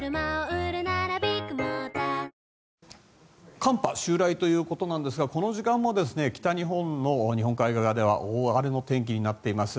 寒波襲来ということなんですがこの時間も北日本の日本海側では大荒れの天気になっています。